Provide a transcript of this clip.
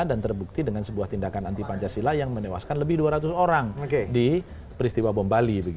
dan terbukti dengan sebuah tindakan anti pancasila yang menewaskan lebih dua ratus orang di peristiwa bom bali